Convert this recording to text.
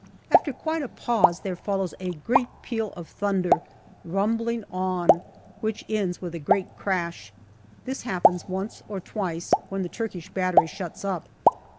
After quite a pause, there follows a great peal of thunder rumbling on which ends with a great crash. This happens once or twice, when the Turkish battery shuts up.